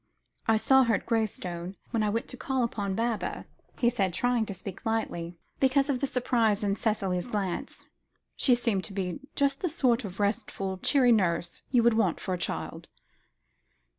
"I saw her at Graystone, when I went to call upon Baba," he said, trying to speak lightly, because of the surprise in Cicely's glance; "she seemed to be just the sort of restful, cheery nurse you would want for a child."